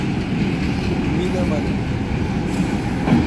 می نہ منین